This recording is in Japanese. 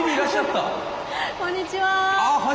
こんにちは。